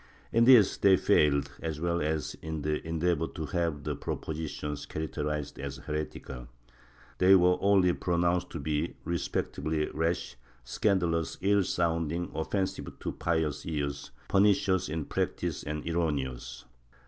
In this they failed, as well as in the endeavor to have the propositions characterized as heretical ; thej'' were only pronounced to be respectively rash, scandalous, ill sounding, offensive to pious ears, pernicious in practice and erron eous.